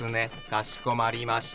かしこまりました。